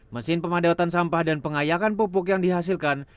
mesin pemadatan sampah dan pengayakan pupuk yang dihasilkan